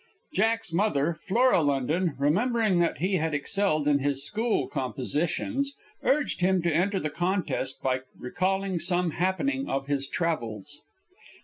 Jack's mother, Flora London, remembering that I had excelled in his school "compositions," urged him to enter the contest by recalling some happening of his travels.